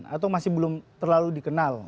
atau masih belum terlalu dikenal